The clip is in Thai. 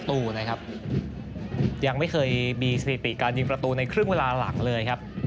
ตู้นะครับยังไม่เคยมีสถิติการยิงประตูในครึ่งเวลาหลังเลยครับ